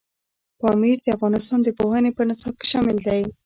پامیر د افغانستان د پوهنې په نصاب کې شامل دی.